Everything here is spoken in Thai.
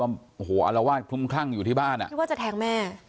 โอ้โหอารวาสคลุมคลั่งอยู่ที่บ้านอ่ะคิดว่าจะแทงแม่